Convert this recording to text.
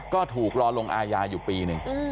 ก็ถูกรอลงอาญาอยู่ปีหนึ่ง